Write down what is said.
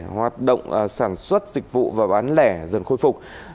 hoạt động sản xuất dịch vụ và bán lẻ dần khôi phục